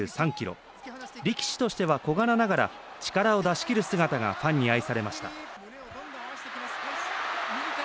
力士としては小柄ながら力を出し切る姿がファンに愛されました。